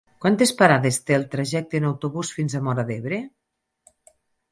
Quantes parades té el trajecte en autobús fins a Móra d'Ebre?